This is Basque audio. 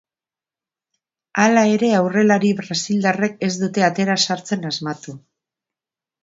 Hala ere aurrelari brasildarrek ez dute atera sartzen asmatu.